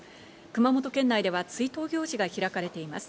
熊本県内では追悼行事が開かれています。